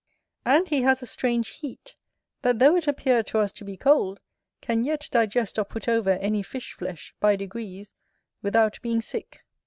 And he has a strange heat, that though it appear to us to be cold, can yet digest or put over any fish flesh, by degrees, without being sick.